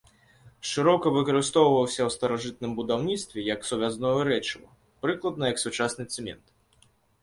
Шырока выкарыстоўваўся ў старажытным будаўніцтве як сувязное рэчыва, прыкладна як сучасны цэмент.